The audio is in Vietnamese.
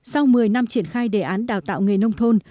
sau một mươi năm triển khai đề án đào tạo nghề nông thôn